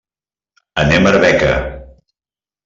Anem a Arbeca.